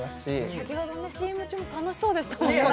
先ほどのＣＭ中も楽しそうでしたもんね。